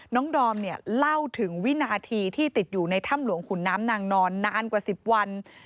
ดอมเนี่ยเล่าถึงวินาทีที่ติดอยู่ในถ้ำหลวงขุนน้ำนางนอนนานกว่า๑๐วัน